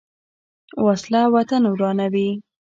وسله وطن ورانوي